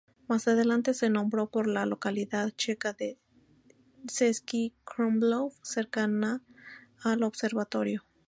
Más adelante se nombró por la localidad checa de Český Krumlov cercana al observatorio.